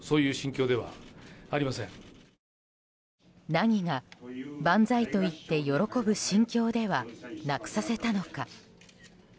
何が、万歳と言って喜ぶ心境ではなくさせたのか。